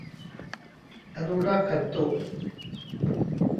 อะนุรักขันตุ